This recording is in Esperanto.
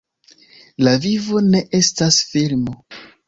La vivo ne estas filmo.